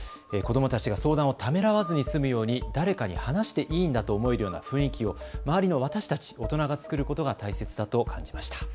子どもたちが相談をためらわずに済むように誰かに話していいんだと思えるような雰囲気を周りの私たち大人が作ることが大切だと感じました。